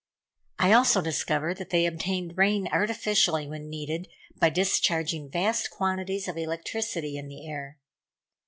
I also discovered that they obtained rain artificially when needed, by discharging vast quantities of electricity in the air.